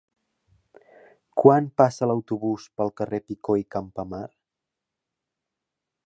Quan passa l'autobús pel carrer Picó i Campamar?